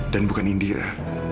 dan bukan india